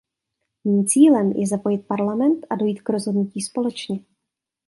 Mým cílem je zapojit Parlament a dojít k rozhodnutí společně.